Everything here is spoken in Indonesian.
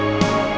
ya allah ya allah